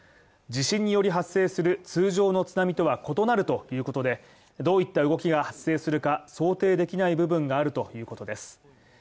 地震により発生する通常の津波とは異なるということで、どういった動きが発生するか想定できない部分があるということです。